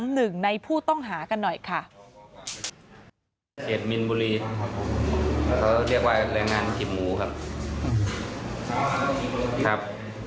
หมู่บ้านกีบหมูครับครับ